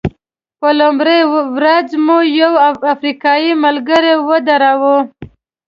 په لومړۍ ورځ مو یو افریقایي ملګری ودراوه.